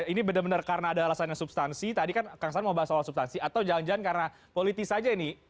ini benar benar karena ada alasannya substansi tadi kan kang saan mau bahas soal substansi atau jangan jangan karena politis saja ini